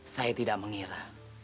saya tidak mengira